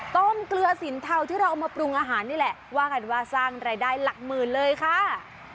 เกลือสินเทาที่เราเอามาปรุงอาหารนี่แหละว่ากันว่าสร้างรายได้หลักหมื่นเลยค่ะ